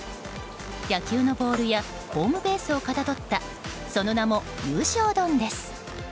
野球のボールやホームベースをかたどったその名も優勝丼です。